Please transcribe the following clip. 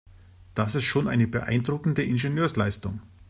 Das ist schon eine beeindruckende Ingenieursleistung.